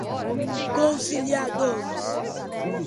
conciliadores